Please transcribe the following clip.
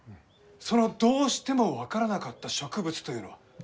そのどうしても分からなかった植物というのは？